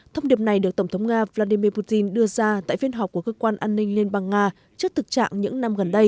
thông điệp này được tổng thống nga vladimir putin đưa ra tại phiên họp của cơ quan an ninh liên bang nga trước thực trạng những năm gần đây